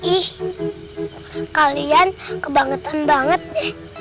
ih kalian kebangetan banget deh